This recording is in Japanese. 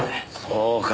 そうか。